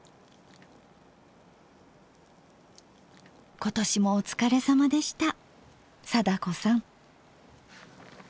今年もお疲れさまでした貞子さん。